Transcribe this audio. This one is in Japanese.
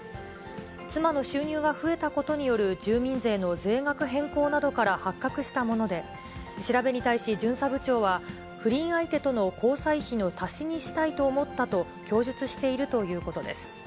妻の収入が増えたことによる住民税の税額変更などから発覚したもので、調べに対し巡査部長は、不倫相手との交際費の足しにしたいと思ったと、供述しているということです。